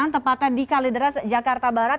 tepatnya di kalideras jakarta barat